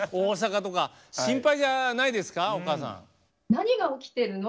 何が起きてるの？